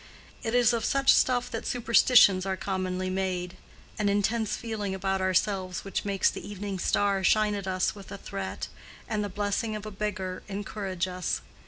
It is of such stuff that superstitions are commonly made: an intense feeling about ourselves which makes the evening star shine at us with a threat, and the blessing of a beggar encourage us.